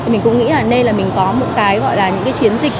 mình cũng nghĩ là nên là mình có một cái gọi là những cái chiến dịch